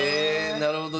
なるほどね。